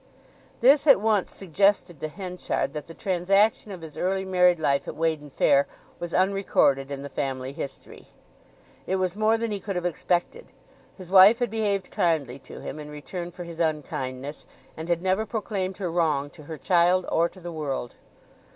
This at once suggested to Henchard that the transaction of his early married life at Weydon Fair was unrecorded in the family history. It was more than he could have expected. His wife had behaved kindly to him in return for his unkindness, and had never proclaimed her wrong to her child or to the world.